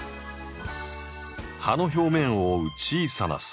葉の表面を覆う小さなスポット。